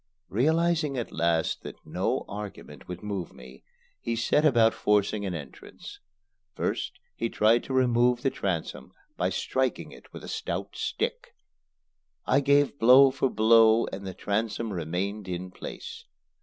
Realizing at last that no argument would move me, he set about forcing an entrance. First he tried to remove the transom by striking it with a stout stick. I gave blow for blow and the transom remained in place.